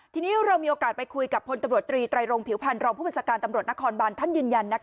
ทีนี้เรามีโอกาสไปคุยกับพลตำรวจตรีไตรรงผิวพันธ์รองผู้บัญชาการตำรวจนครบานท่านยืนยัน